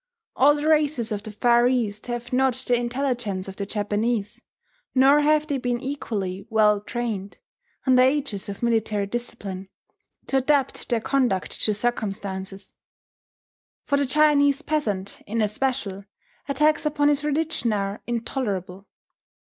All the races of the Far East have not the intelligence of the Japanese, nor have they been equally well trained, under ages of military discipline, to adapt their conduct to circumstances. For the Chinese peasant, in especial, attacks upon his religion are intolerable.